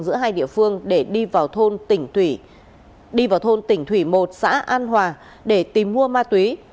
giữa hai địa phương để đi vào thôn tỉnh thủy một xã an hòa để tìm mua ma túy